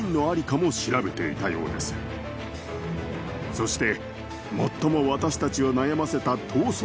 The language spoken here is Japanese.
そして。